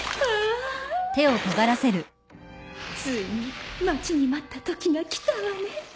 ついに待ちに待った時が来たわね。